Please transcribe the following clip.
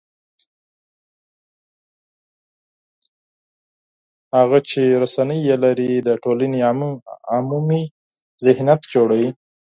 هغوی چې رسنۍ یې لري، د ټولنې عمومي ذهنیت جوړوي